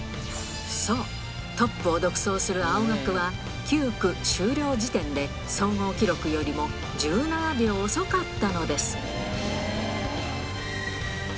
そう、トップを独走する青学は、９区終了時点で、総合記録よりも１７秒遅かったのです。